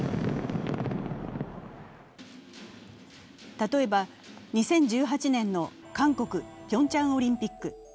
例えば、２０１８年の韓国・ピョンチャンオリンピック。